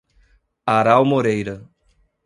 Aral Moreira